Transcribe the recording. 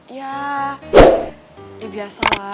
ya biasa lah